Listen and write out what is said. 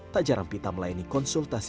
tak jarang pita melayani konsultasi